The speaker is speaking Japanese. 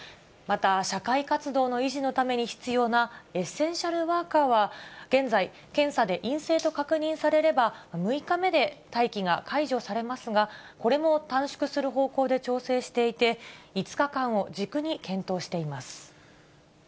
また、社会活動の維持のために必要なエッセンシャルワーカーは、現在、検査で陰性と確認されれば、６日目で待機が解除されますが、これも短縮する方向で調整していて、５日間を軸に検討しています。